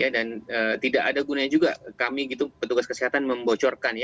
dan tidak ada gunanya juga kami petugas kesehatan membocorkan